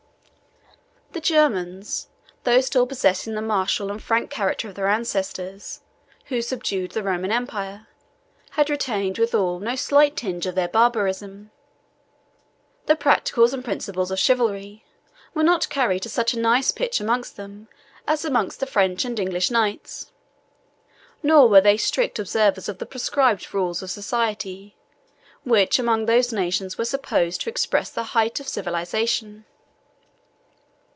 The Germans, though still possessing the martial and frank character of their ancestors who subdued the Roman Empire had retained withal no slight tinge of their barbarism. The practices and principles of chivalry were not carried to such a nice pitch amongst them as amongst the French and English knights, nor were they strict observers of the prescribed rules of society, which among those nations were supposed to express the height of civilization.